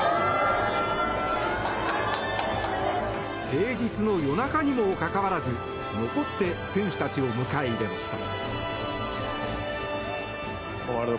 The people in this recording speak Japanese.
平日の夜中にもかかわらず残って選手たちを迎え入れました。